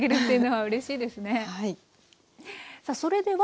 はい。